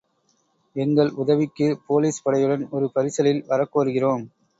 எங்கள் உதவிக்குப் போலீஸ் படையுடன் ஒரு பரிசலில் வரக் கோருகிறோம்.